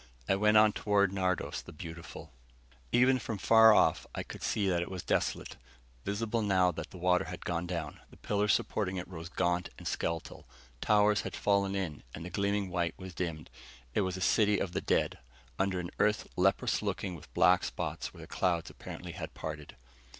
I went on toward Nardos the Beautiful. Even from afar off, I could see that it was desolate. Visible now that the water had gone down, the pillars supporting it rose gaunt and skeletal. Towers had fallen in, and the gleaming white was dimmed. It was a city of the dead, under an Earth leprous looking with black spots where the clouds apparently had parted.